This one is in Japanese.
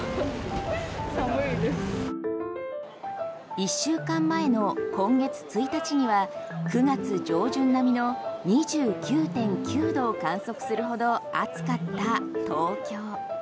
１週間前の今月１日には９月上旬並みの２９．９度を観測するほど暑かった東京。